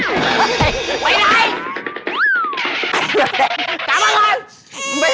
กลับมาก่อน